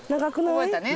覚えたね？